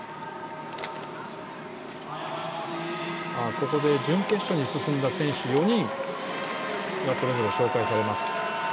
ここで準決勝に進んだ選手４人がそれぞれ紹介されます。